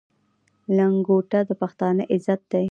لنګوټه د پښتانه عزت دی.